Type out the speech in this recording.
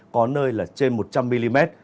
có nơi là trên một trăm linh mm